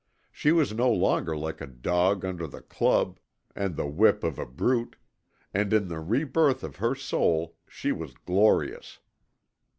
She was no longer like a dog under the club and the whip of a brute, and in the re birth of her soul she was glorious.